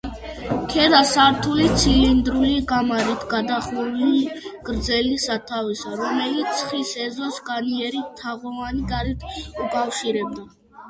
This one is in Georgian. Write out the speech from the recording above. ქვედა სართული ცილინდრული კამარით გადახურული გრძელი სათავსია, რომელიც ციხის ეზოს განიერი თაღოვანი კარით უკავშირდება.